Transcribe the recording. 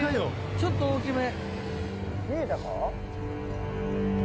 ちょっと大きめ。